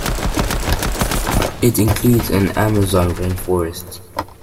It includes an Amazonian rainforest.